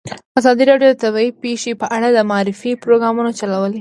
ازادي راډیو د طبیعي پېښې په اړه د معارفې پروګرامونه چلولي.